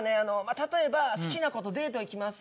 例えば好きな子とデート行きます。